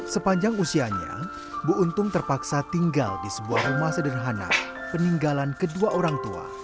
sepanjang usianya bu untung terpaksa tinggal di sebuah rumah sederhana peninggalan kedua orang tua